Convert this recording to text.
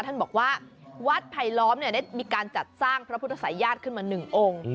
ท่านบอกว่าวัดไผลล้อมได้มีการจัดสร้างพระพุทธศัยญาติขึ้นมา๑องค์